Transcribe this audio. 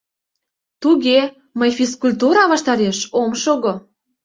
Туге, мый физкультура ваштареш ом шого.